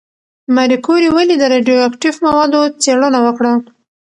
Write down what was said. ماري کوري ولې د راډیواکټیف موادو څېړنه وکړه؟